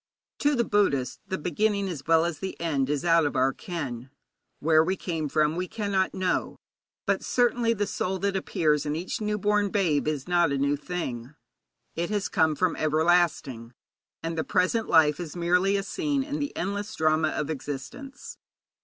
To the Buddhist the beginning as well as the end is out of our ken. Where we came from we cannot know, but certainly the soul that appears in each newborn babe is not a new thing. It has come from everlasting, and the present life is merely a scene in the endless drama of existence.